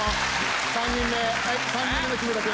３人目はい３人目の木村君。